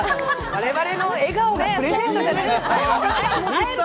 我々の笑顔がプレゼントじゃないですか。